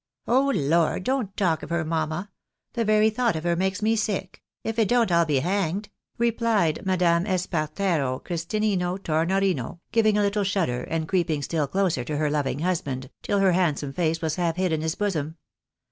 " Oh, lor ! don't taUt of her, mamma ! The very thought of her makes me sick — if it don't I'll be hanged," repUed Madame Espartero Christinino Tornorino, giving a little shudder, and creeping still closer to her loving husband, till her handsome face was half hid in his bosom.